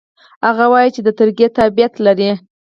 هغه وايي چې د ترکیې تابعیت لري.